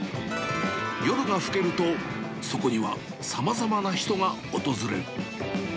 夜が更けると、そこにはさまざまな人が訪れる。